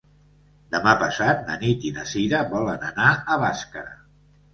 Demà passat na Nit i na Cira volen anar a Bàscara.